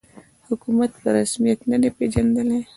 حکومت په رسمیت نه دی پېژندلی